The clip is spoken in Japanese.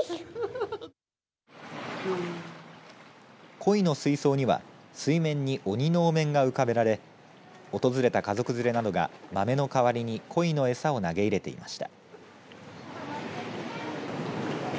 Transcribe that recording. こいの水槽には水面に鬼のお面が浮かべられ訪れた家族連れなどが豆の代わりにこいの餌を投げ入れていました。